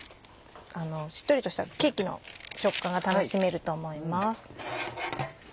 しっとりとしたケーキの食感が楽しめると思います。